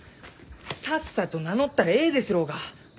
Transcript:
さっさと名乗ったらえいですろうが！